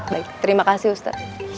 baik terima kasih ustadz